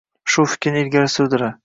Shu fikrni ilgari surdilar